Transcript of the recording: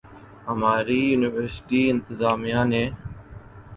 ہماری یونیورسٹی انتظامیہ نے